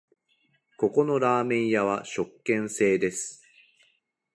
ここのラーメン屋は食券制です